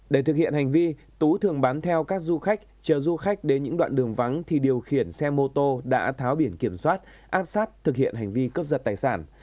để thực hiện hành vi tú thường bán theo các du khách chờ du khách đến những đoạn đường vắng thì điều khiển xe mô tô đã tháo biển kiểm soát áp sát thực hiện hành vi cướp giật tài sản